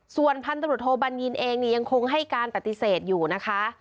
ส่วนพันธุรกิจโทบัญญินตั้งเองยังคงให้การปฏิเสธอยู่นะคะ